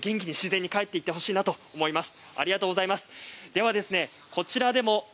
元気に自然に帰っていってほしいなと思います。